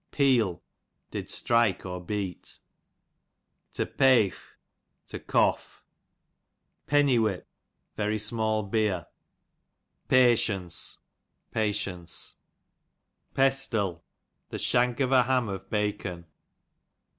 Peel, did strike or beat. To Peitrh, to cough. Penny whip, very small beer. Peshunce, patience, Pesril, the shank of a ham of bacon.